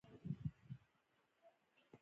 سمندر نه شتون د افغانستان د طبعي سیسټم توازن ساتي.